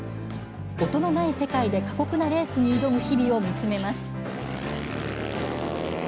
音のない世界で過酷なレースに挑む日々を見つめます。